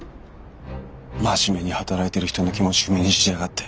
真面目に働いてる人の気持ち踏みにじりやがって！